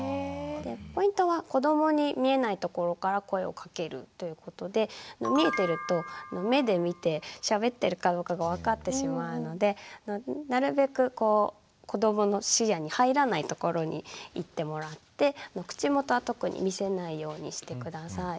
ポイントは子どもに見えないところから声をかけるということで見えてると目で見てしゃべってるかどうかが分かってしまうのでなるべく子どもの視野に入らないところに行ってもらって口元は特に見せないようにして下さい。